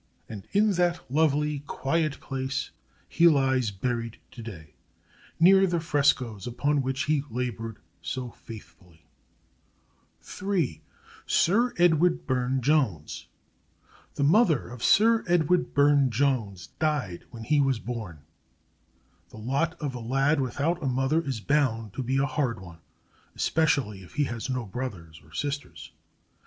And in that lovely, quiet place he lies buried today, near the frescos upon which he labored so faithfully. [Illustration: ANGEL OF ANNUNCIATION, BY BURNE JONES] Sir Edward Burne Jones THREE The mother of Sir Edward Burne Jones died when he was born. The lot of a lad without a mother is bound to be a hard one, especially if he has no brothers or sisters.